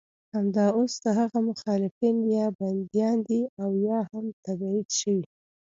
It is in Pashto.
همدا اوس د هغه مخالفین یا بندیان دي او یا هم تبعید شوي.